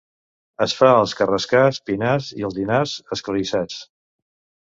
Es fa als carrascars, pinars i alzinars esclarissats.